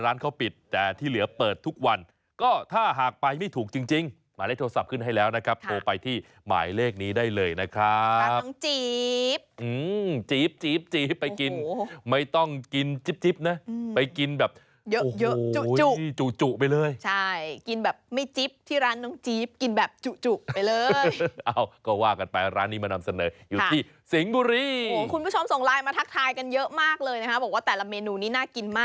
เลขนี้ได้เลยนะครับร้านน้องจี๊บอืมจี๊บจี๊บจี๊บไปกินโอ้โหไม่ต้องกินจิ๊บจิ๊บนะอืมไปกินแบบเยอะเยอะจุ๊บจุ๊บจุ๊บจุ๊บไปเลยใช่กินแบบไม่จิ๊บที่ร้านน้องจี๊บกินแบบจุ๊บจุ๊บไปเลยเอ้าก็ว่ากันไปร้านนี้มานำเสนอค่ะอยู่ที่สิงบุรีโอ้โหคุณผู้ชมส่งไลน์มาทักทายกั